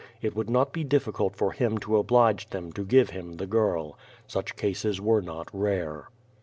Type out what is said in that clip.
It would not be difficult for him to o])lige them to give him the girl. Such cases were not rare.